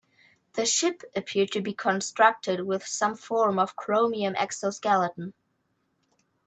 The ship appeared to be constructed with some form of chromium exoskeleton.